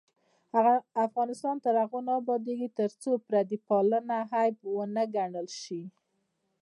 افغانستان تر هغو نه ابادیږي، ترڅو پردی پالنه عیب ونه ګڼل شي.